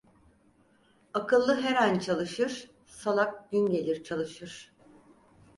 Akıllı her an çalışır, salak gün gelir çalışır.